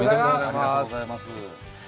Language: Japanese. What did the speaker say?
ありがとうございます。